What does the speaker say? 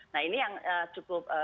nah ini yang cukup